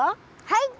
はい！